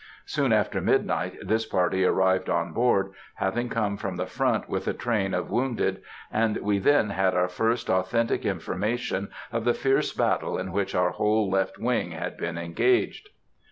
Soon after midnight this party arrived on board, having come from the front with a train of wounded, and we then had our first authentic information of the fierce battle in which our whole left wing had been engaged.